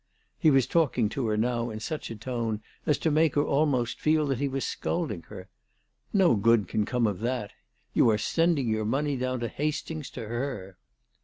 He was talking to her now in such a tone as to make her almost feel that he was scolding her. " No good can come of that. You are sending your money down to Hastings to her."